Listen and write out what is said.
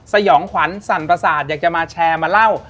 สยองขวัญสั่นประสาทอยากจะมาแชร์มาเล่า